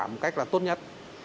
một cách là tốt nhất